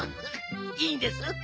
いいんです。